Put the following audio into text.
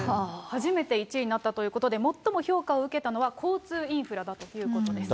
初めて１位になったということで、最も評価を受けたのは、交通インフラだということです。